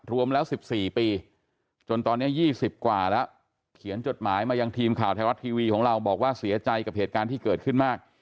รวมแล้ว๑๔ปีจนตอนนี้๒๐กว่าแล้วเขียนจดหมายมายังทีมข่าวไทยรัฐทีวีของเราบอกว่าเสียใจกับเหตุการณ์ที่เกิดขึ้นมาก